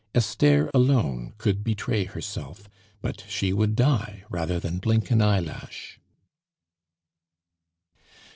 Esther alone could betray herself; but she would die rather than blink an eyelash.